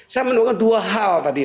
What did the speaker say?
saya menemukan dua hal tadi